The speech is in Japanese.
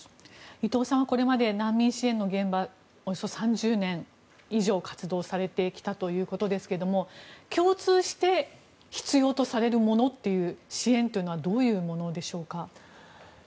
伊藤さんはこれまで難民支援の現場でおよそ３０年以上活動されてきたということですが共通して必要とされるもの支援というのはどういうものでしょうか？